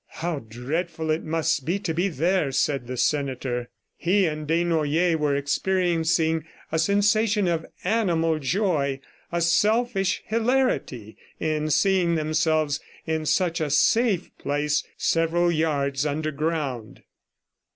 "How dreadful it must be to be there!" said the senator. He and Desnoyers were experiencing a sensation of animal joy, a selfish hilarity in seeing themselves in such a safe place several yards underground.